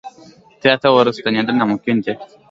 تېر ته ورستنېدل ناممکن دي.